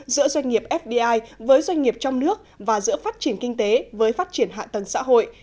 giữa doanh nghiệp fdi với doanh nghiệp trong nước và giữa phát triển kinh tế với phát triển hạ tầng xã hội